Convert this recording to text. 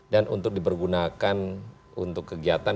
dan untuk dipergunakan untuk kegiatan